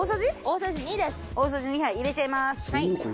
大さじ２杯入れちゃいます。